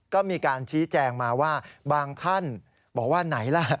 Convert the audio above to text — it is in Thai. ก็มีการชี้แจงมาว่าบางท่านบอกว่าไหนล่ะ